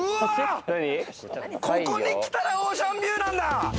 ここに来たらオーシャンビューなんだ。